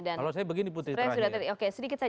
dan kalau saya begini putri terakhir